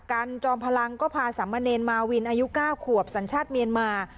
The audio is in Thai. กันจอมพลังก็พาสามเณรมาวินอายุ๙ขวบสัญชาติเมียนมา